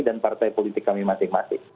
dan partai politik kami masing masing